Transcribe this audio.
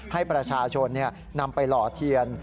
ให้ประชาชนนำไปหล่อเทียน